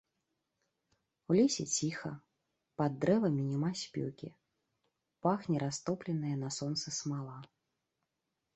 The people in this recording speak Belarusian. У лесе ціха, пад дрэвамі няма спёкі, пахне растопленая на сонцы смала.